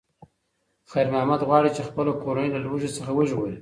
خیر محمد غواړي چې خپله کورنۍ له لوږې څخه وژغوري.